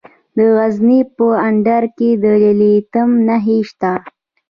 د غزني په اندړ کې د لیتیم نښې شته.